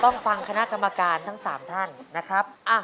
ต้องฟังคณะกรรมการทั้ง๓ท่านนะครับ